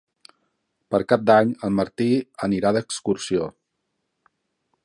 Per Cap d'Any en Martí anirà d'excursió.